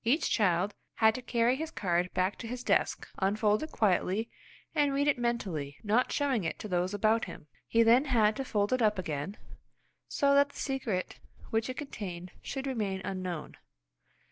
Each child had to carry his card back to his desk, unfold it quietly, and read it mentally, not showing it to those about him. He then had to fold it up again, so that the secret which it contained should remain unknown.